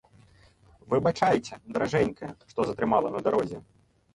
Выбачайце, даражэнькая, што затрымала на дарозе.